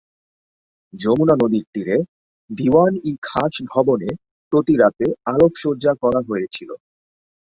যমুনা নদীর তীরে দিওয়ান-ই-খাস ভবনে প্রতি রাতে আলোকসজ্জা করা হয়েছিলো।